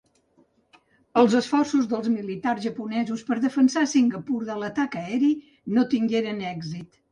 Els esforços dels militars japonesos per defensar Singapur de l'atac aeri no tingueren èxit.